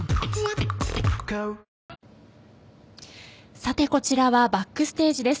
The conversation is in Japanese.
さて、こちらはバックステージです